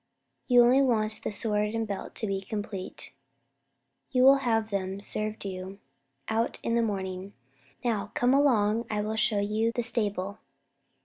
You only want the sword and belt to be complete. You will have them served you out in the morning. Now, come along and I will show you the stable."